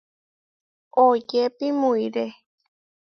Oyépi muʼiré.